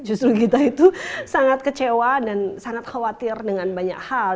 justru kita itu sangat kecewa dan sangat khawatir dengan banyak hal